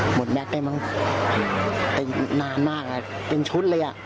หมดแม็กซ์ได้นานมากเป็นชุดเลย